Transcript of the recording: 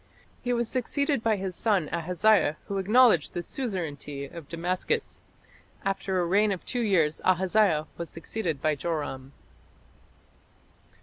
He was succeeded by his son Ahaziah, who acknowledged the suzerainty of Damascus. After a reign of two years Ahaziah was succeeded by Joram.